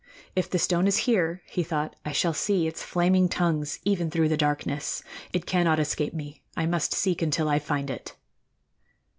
"If the stone is here," he thought, "I shall see its flaming tongues even through the darkness. It cannot escape me. I must seek until I find it."